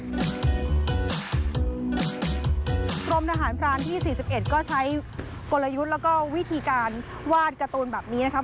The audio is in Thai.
กรมทหารพรานที่๔๑ก็ใช้กลยุทธ์แล้วก็วิธีการวาดการ์ตูนแบบนี้นะครับ